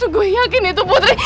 gue yakin itu putri